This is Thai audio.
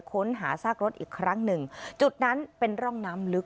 ค้นหาซากรถอีกครั้งหนึ่งจุดนั้นเป็นร่องน้ำลึก